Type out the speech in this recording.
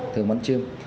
thường bắn chim